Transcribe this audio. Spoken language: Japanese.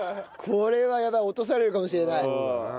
これはやばいおとされるかもしれない。